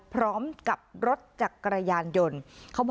พร้อมกับรถจักรยานยนต์